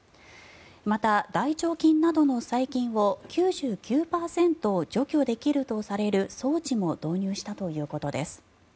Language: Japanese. また、大腸菌などの細菌を９９％除去できるとされる装置も導入したということです。